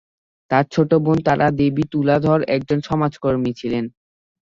তার ছোট বোন তারা দেবী তুলাধর একজন সমাজকর্মী ছিলেন।